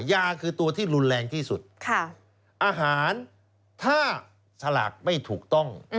ยาคือตัวที่รุนแรงที่สุดอาหารถ้าสลากไม่ถูกต้อง